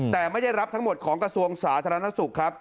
แต่ไม่ได้รับทั้งหมดของกระทรวงสาธารณสุขครับ